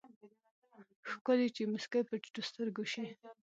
ښکلے چې مسکې په ټيټو سترګو شي